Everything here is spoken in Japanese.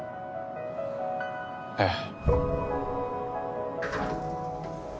ええ。